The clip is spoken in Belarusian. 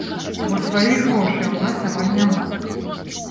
Бо сваіх грошай у нас амаль няма.